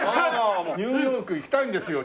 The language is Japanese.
ニューヨーク行きたいんですよ。